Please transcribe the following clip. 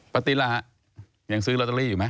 ปฏิรายังซื้อลอตเตอรี่อยู่ไหม